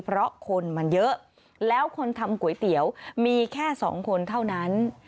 เพราะคนมันเยอะแล้วคนทำก๋วยเตี๋ยวมีแค่สองคนเท่านั้น